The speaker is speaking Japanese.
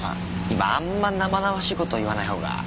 今あんま生々しい事言わない方が。